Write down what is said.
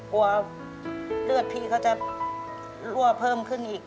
กลัวเลือดพี่เขาจะรั่วเพิ่มขึ้นอีก